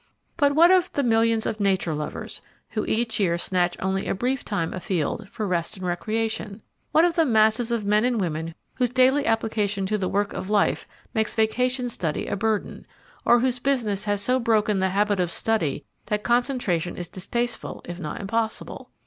But what of the millions of Nature Lovers, who each year snatch only a brief time afield, for rest and recreation? What of the masses of men and women whose daily application to the work of life makes vacation study a burden, or whose business has so broken the habit of study that concentration is distasteful if not impossible?